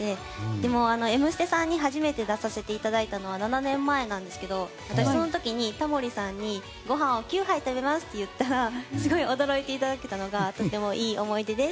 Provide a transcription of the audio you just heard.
でも、「Ｍステ」さんに初めて出させていただいたのは７年前なんですけど私その時にタモリさんにご飯を９杯食べますって言ったらすごい驚いていただけたのがとてもいい思い出です。